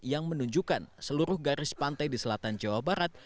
yang menunjukkan seluruh garis pantai di selatan jawa barat